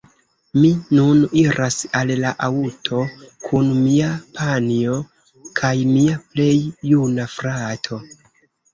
Mi nun iras al la aŭto kun mia panjo kaj mia plej juna frato